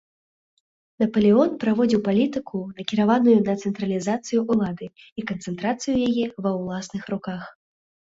Напалеон праводзіў палітыку, накіраваную на цэнтралізацыю ўлады і канцэнтрацыю яе ва ўласных руках.